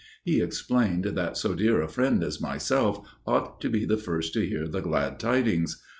He explained that so dear a friend as myself ought to be the first to hear the glad tidings.